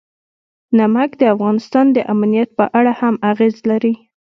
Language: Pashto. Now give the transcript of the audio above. نمک د افغانستان د امنیت په اړه هم اغېز لري.